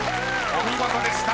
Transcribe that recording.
［お見事でした。